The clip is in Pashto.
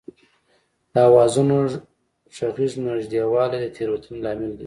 د آوازونو غږیز نږدېوالی د تېروتنې لامل ګرځي